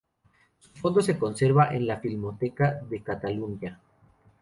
Su fondo se conserva en la Filmoteca de Catalunya.